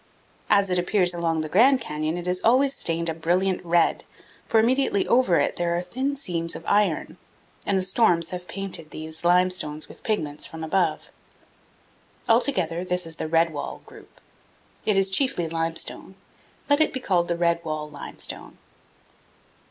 As it appears along the Grand Canyon it is always stained a brilliant red, for immediately over it there are thin seams of iron, and the storms have painted these limestones with pigments from above. Altogether this is the red wall group. It is chiefly limestone. Let it be called the red wall limestone.